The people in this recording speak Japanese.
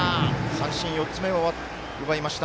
三振４つ目を奪いました。